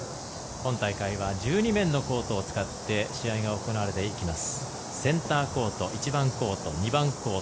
今大会は１２面のコートを使って試合を行っています。